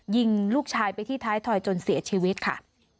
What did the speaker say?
ยิงลูกชายไปที่ท้ายถอยจนเสียชีวิตค่ะ